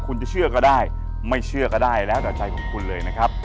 คุณจะเชื่อก็ได้ไม่เชื่อก็ได้แล้วแต่ใจของคุณเลยนะครับ